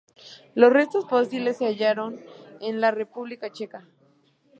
Los restos fósiles se hallaron en la República Checa.